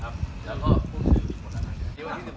เราก็เล่าลูกสีแห่งภาพด้วย